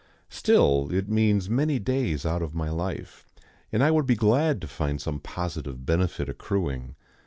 Still, it means many days out of my life, and I would be glad to find some positive benefit accruing.